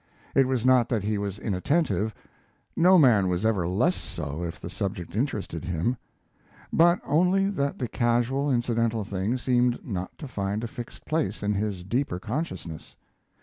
It was not that he was inattentive no man was ever less so if the subject interested him but only that the casual, incidental thing seemed not to find a fixed place in his deeper consciousness.